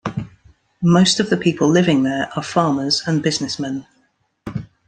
Most of the people living there are farmers and businessmen.